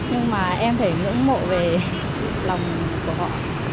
nhưng mà em phải ngưỡng mộ về lòng của họ